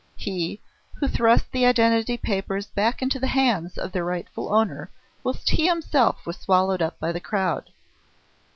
He who thrust the identity papers back into the hands of their rightful owner whilst he himself was swallowed up by the crowd.